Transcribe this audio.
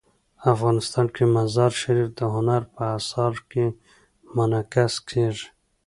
افغانستان کې مزارشریف د هنر په اثار کې منعکس کېږي.